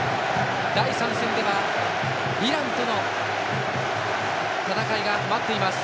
第３戦ではイランとの戦いが待っています。